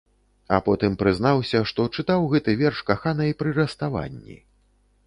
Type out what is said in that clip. А потым прызнаўся, што чытаў гэты верш каханай пры расставанні.